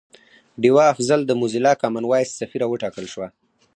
ډیوه افضل د موزیلا کامن وایس سفیره وټاکل شوه